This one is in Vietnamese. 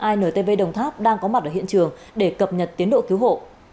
intv đồng tháp đang có mặt ở hiện trường để cập nhật tiến độ cứu hộ